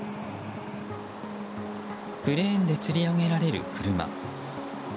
クレーンでつり上げられる車。